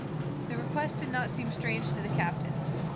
The request did not seem strange to the captain.